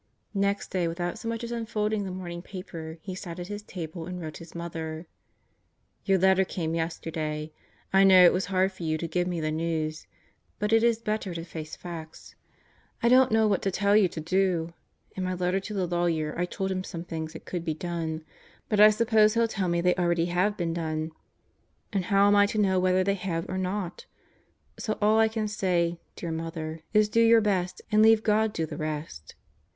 Next day, without so much as unfolding the morning paper he sat at his table and wrote his mother: Your letter came yesterday. I know it was hard for you to give me the news, but ijs better to face facts. I don't know what to tell you to do. In my letter to the lawyer I told him some things that could be done. But I suppose hell tell me they already have been done. And how am I to know whether they have or not? So all I can say, dear Mother, is do your best and leave God do the rest.